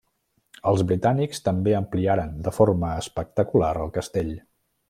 Els britànics també ampliaren de forma espectacular el castell.